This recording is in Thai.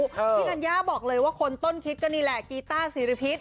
พี่ธัญญาบอกเลยว่าคนต้นคิดก็นี่แหละกีต้าศิริพิษ